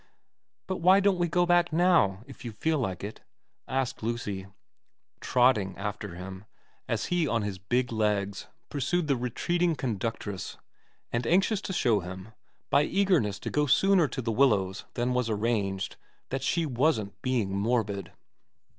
' But why don't we go back now, if you feel like it ?' asked Lucy, trotting after him as he on his big legs pursued the retreating conductress, and anxious to show him, by eagerness to go sooner to The Willows than was arranged, that she wasn't being morbid.